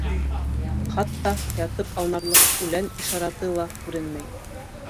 Хатта ятып аунарлыҡ үлән ишараты ла күренмәй.